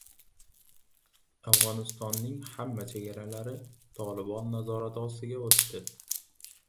Afg‘onistonning hamma chegaralari Tolibon nazorati ostiga o‘tdi